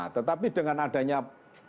tetapi dengan adanya apa